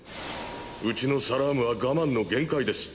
ウチのサラームは我慢の限界です。